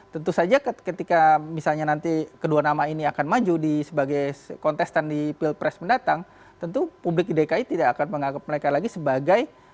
tentu saja ketika misalnya nanti kedua nama ini akan maju sebagai kontestan di pilpres mendatang tentu publik di dki tidak akan menganggap mereka lagi sebagai